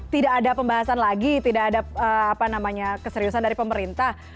tidak ada pembahasan lagi tidak ada keseriusan dari pemerintah